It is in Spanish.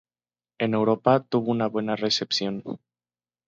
En Europa, tuvo una buena recepción.